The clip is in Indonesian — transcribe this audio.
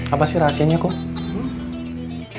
apa sih rahasianya kum